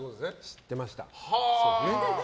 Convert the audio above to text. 知ってました。